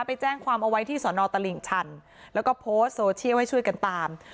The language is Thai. ไปแจ้งความเอาไว้ที่สอนอตลิ่งชันแล้วก็โพสต์โซเชียลให้ช่วยกันตาม